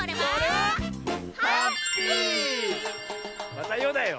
また「よ」だよ。